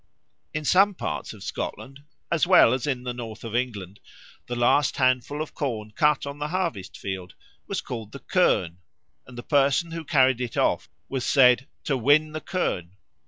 In some parts of Scotland, as well as in the north of England, the last handful of corn cut on the harvest field was called the kirn, and the person who carried it off was said "to win the kirn."